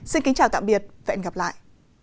xin kính chào tạm biệt và hẹn gặp lại